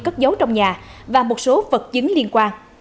cất dấu trong nhà và một số vật dứng liên quan